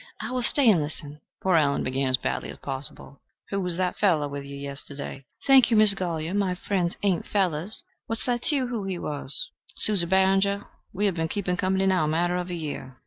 "I will stay and listen." Poor Allen began as badly as possible: "Who was that feller with you yesterday?" "Thank you, Mr. Golyer my friends ain't fellers! What's that to you, who he was?" "Susie Barringer, we have been keeping company now a matter of a year.